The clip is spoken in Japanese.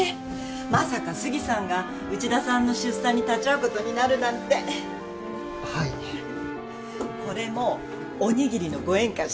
まさか杉さんが内田さんの出産に立ち会うことになるなんてはいこれもおにぎりのご縁かしら